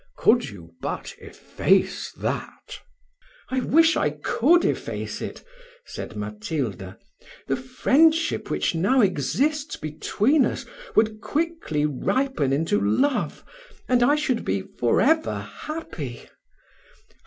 Could you but efface that!"' "I would I could efface it," said Matilda: "the friendship which now exists between us, would quickly ripen into love, and I should be for ever happy.